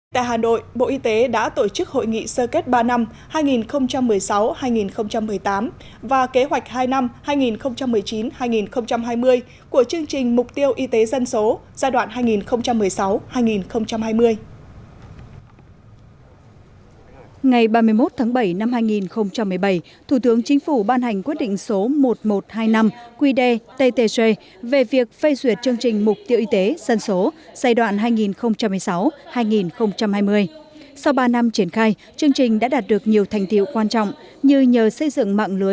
tại hà nội bộ y tế đã tổ chức hội nghị sơ kết ba năm hai nghìn một mươi sáu hai nghìn một mươi tám và kế hoạch hai năm hai nghìn một mươi chín hai nghìn hai mươi của chương trình mục tiêu y tế dân số giai đoạn hai nghìn một mươi sáu hai nghìn hai mươi